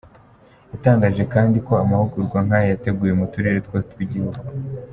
Yatangaje kandi ko amahurwa nk’aya yateguwe mu turere twose tw’igihugu.